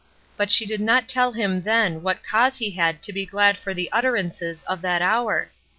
But she did not tell him then what cause he had to be glad for the utterances of that hour.